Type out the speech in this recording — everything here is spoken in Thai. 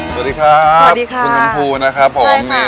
สวัสดีครับคุณสมภูนะครับผม